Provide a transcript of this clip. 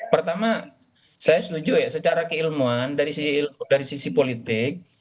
pertama saya setuju ya secara keilmuan dari sisi politik